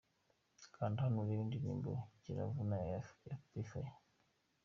Kanda hano urebe indirimbo Kiravuna ya P Fire.